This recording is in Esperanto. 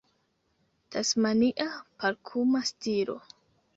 Tasmania parkuma stilo